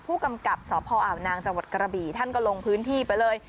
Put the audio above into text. ผู้กำกับสพอ่าวนางจังหวัดกระบี่ท่านก็ลงพื้นที่ไปเลย